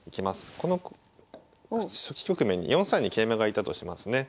この初期局面に４三に桂馬が居たとしますね。